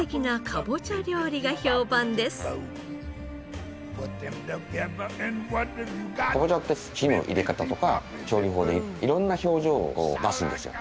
かぼちゃって火の入れ方とか調理法で色んな表情を出すんですよ。